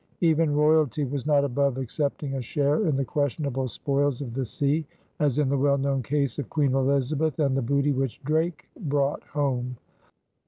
Even royalty was not above accepting a share in the questionable spoils of the sea, as in the well known case of Queen Elizabeth and the booty which Drake brought home.